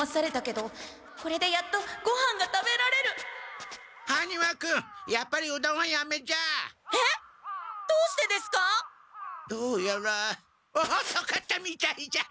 どうやらおそかったみたいじゃ。